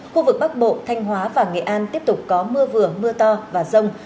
khu vực bắc bộ thanh hóa và nghệ an tiếp tục có mưa vừa mưa to và rông